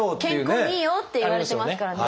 健康にいいよっていわれてますから。